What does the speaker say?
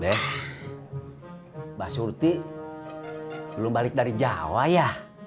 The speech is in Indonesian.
mbak surti belum balik dari jawa ya